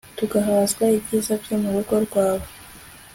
tuzahazwa ibyiza byo mu rugo rwawe